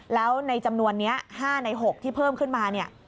แล้วในจำนวนนี้๕ใน๖ที่เพิ่มขึ้นมาเนี่ย